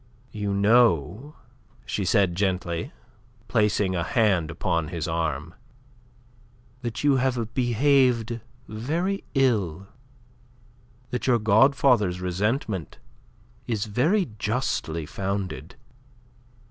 "You know," she said gently, placing a hand upon his arm, "that you have behaved very ill, that your godfather's resentment is very justly founded?"